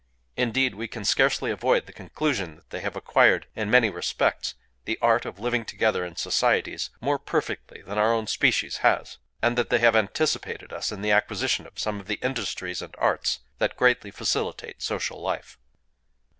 Indeed we can scarcely avoid the conclusion that they have acquired, in many respects, the art of living together in societies more perfectly than our own species has; and that they have anticipated us in the acquisition of some of the industries and arts that greatly facilitate social life."